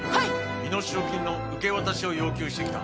身代金の受け渡しを要求してきた。